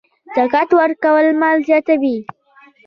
زکات ورکول مال زیاتوي.